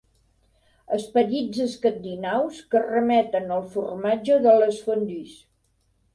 Esperits escandinaus que remeten al formatge de les fondues.